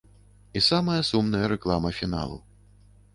І самая сумная рэклама фіналу.